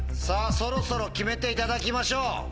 さぁそろそろ決めていただきましょう！